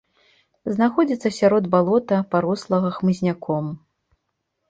Знаходзіцца сярод балота, парослага хмызняком.